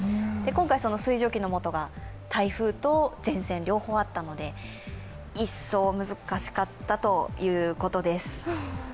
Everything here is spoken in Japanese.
今回その水蒸気のもとが台風と前線両方あったので、一層難しかったということです。